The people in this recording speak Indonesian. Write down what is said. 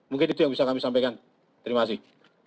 mungkin itu yang bisa kami sampaikan terima kasih